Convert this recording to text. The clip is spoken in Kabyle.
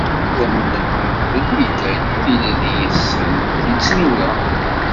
Idammen-nneɣ d lmidad, tilelli, yis-sen i tt-nura.